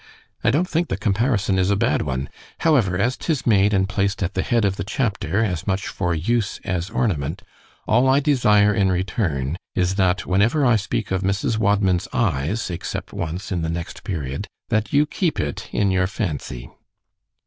I don't think the comparison a bad one: However, as 'tis made and placed at the head of the chapter, as much for use as ornament, all I desire in return, is, that whenever I speak of Mrs. Wadman's eyes (except once in the next period), that you keep it in your fancy.